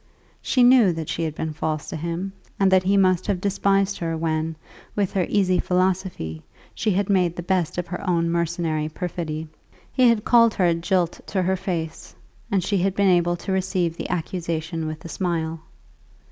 She knew that she had been false to him, and that he must have despised her when, with her easy philosophy, she had made the best of her own mercenary perfidy. He had called her a jilt to her face, and she had been able to receive the accusation with a smile.